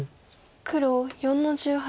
黒４の十八。